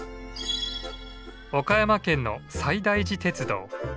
岡山県の西大寺鉄道。